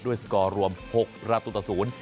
ด้วยสกอรวม๖ประตุศูนย์